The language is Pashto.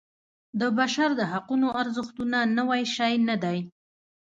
د بشر د حقونو ارزښتونه نوی شی نه دی.